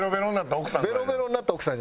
ベロベロになった奥さん？